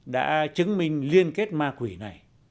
đã chứng minh liên kết ma quỷ này